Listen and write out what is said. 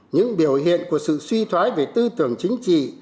những biểu hiện của sự suy thoái về tư tưởng chính trị